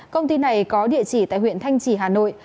công ty này có địa chỉ tại huyện thanh trì hà nội